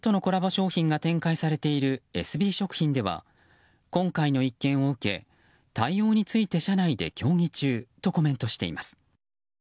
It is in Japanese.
商品が展開されているエスビー食品では今回の一件を受け対応について社内で協議中とコメントしています。